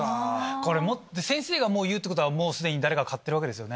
先生が言うってことはもう既に誰か買ってるわけですよね。